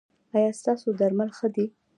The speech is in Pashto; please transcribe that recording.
ایا ستاسو درمل ښه دي؟